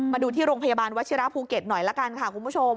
มาดูที่โรงพยาบาลวัชิระภูเก็ตหน่อยละกันค่ะคุณผู้ชม